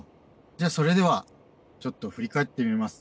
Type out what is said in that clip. それではちょっと振り返ってみます。